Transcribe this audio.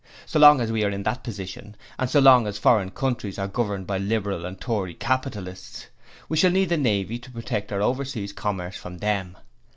So long as we are in that position, and so long as foreign countries are governed by Liberal and Tory capitalists, we shall need the Navy to protect our overseas commerce from them.